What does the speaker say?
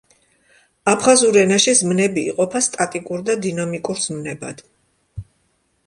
აფხაზურ ენაში ზმნები იყოფა სტატიკურ და დინამიკურ ზმნებად.